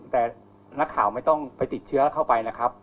แต่นักข่าวไม่ต้องไปติดเชื้อเข้าไปนะครับ